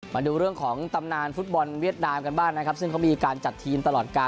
มาดูเรื่องของตำนานฟุตบอลเวียดนามกันบ้างนะครับซึ่งเขามีการจัดทีมตลอดการ